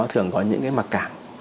thường có những cái mặc cảm